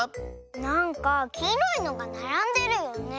なんかきいろいのがならんでるよね。